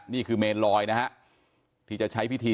นี่คือเมนลอยนะฮะที่จะใช้พิธี